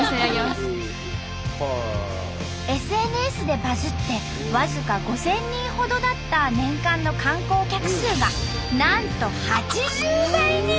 ＳＮＳでバズって僅か５，０００人ほどだった年間の観光客数がなんと８０倍に！